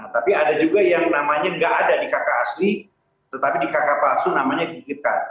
tapi ada juga yang namanya nggak ada di kakak asli tetapi di kakak palsu namanya dikitkan